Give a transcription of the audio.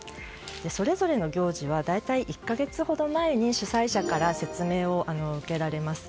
それぞれの行事はだいたい１か月ほど前に主催者から説明を受けられます。